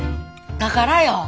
だからよ！